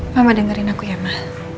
mama dengerin aku ya mah